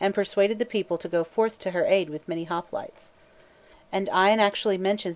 8 xvile 3 people to go forth to her aid' with many hoplites. And Ion. actually mentions.